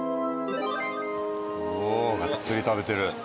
おおがっつり食べてる。